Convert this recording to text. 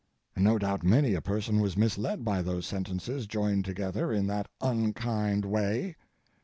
No doubt many a person was misled by those sentences joined together in that unkind way.